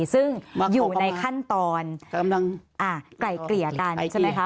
ซึ่งอยู่ในขั้นตอนกำลังไกล่เกลี่ยกันใช่ไหมคะ